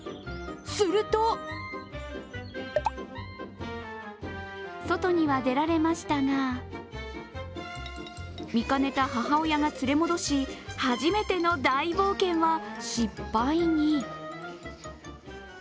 すると外には出られましたが見かねた母親が連れ戻し初めての大冒険は失敗に。